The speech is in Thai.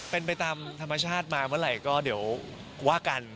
เป็นไปตามธรรมชาติมาเมื่อไหร่ก็เดี๋ยวว่ากัน